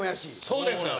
そうですよ。